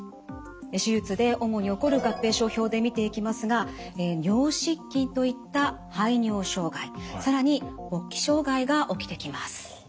手術で主に起こる合併症表で見ていきますが尿失禁といった排尿障害更に勃起障害が起きてきます。